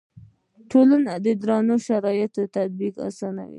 ټولنو دروني شرایطو تطبیق اسانه شي.